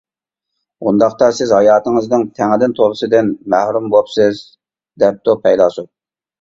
«ئۇنداقتا سىز ھاياتىڭىزنىڭ تەڭدىن تولىسىدىن مەھرۇم بوپسىز» دەپتۇ پەيلاسوپ.